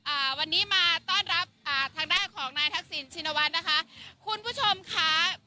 อ่าวันนี้มาต้อนรับอ่าทางด้านของนายทักษิณชินวัฒน์นะคะคุณผู้ชมค่ะ